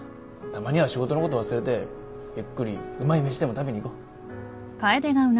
たまには仕事のこと忘れてゆっくりうまい飯でも食べに行こう。